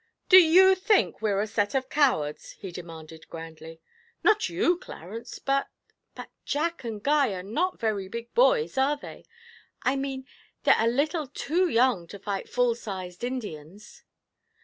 'Do you think we're a set of cowards?' he demanded grandly. 'Not you, Clarence; but but Jack and Guy are not very big boys, are they? I mean, they're a little too young to fight full sized Indians.'